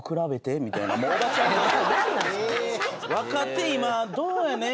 若手今どうやねん？